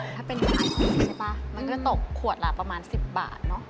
ถ้าเป็นขายจริงใช่ป่ะมันก็จะตกขวดละประมาณ๑๐บาทเนอะ